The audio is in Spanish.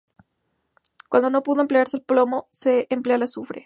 Cuando no pudo emplearse el plomo se empleaba el azufre.